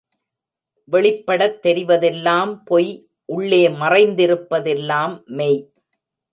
வெளிப்படத் தெரிவதெல்லாம் பொய் உள்ளே மறைந்திருப்பதெல்லாம் மெய்.